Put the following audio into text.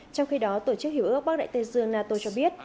trong khi đó tổ chức hiểu ước bắc đại tây dương nato cho biết